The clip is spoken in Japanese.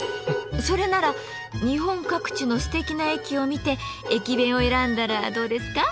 それなら日本各地のすてきな駅を見て駅弁を選んだらどうですか？